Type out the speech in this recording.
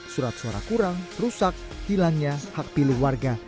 surat suara kurang rusak hilangnya hak pilih warga